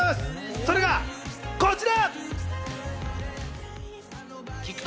それがこちら！